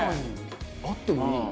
あってもいいな。